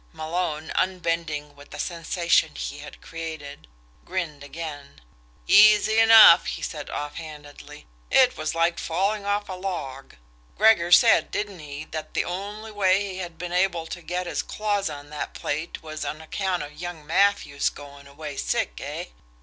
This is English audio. Malone, unbending with the sensation he had created, grinned again. "Easy enough," he said offhandedly. "It was like falling off a log. Gregor said, didn't he, that the only way he had been able to get his claws on that plate was on account of young Matthews going away sick eh?